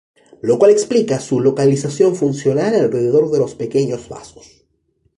Lo cual explica su localización funcional alrededor de los pequeños vasos.